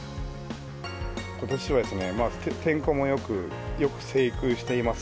ことしはですね、天候もよく、よく生育しています。